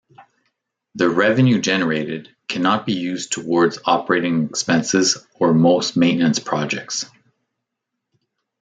The revenue generated cannot be used towards operating expenses or most maintenance projects.